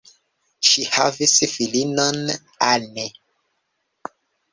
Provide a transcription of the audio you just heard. Ŝi havis filinon, Anne.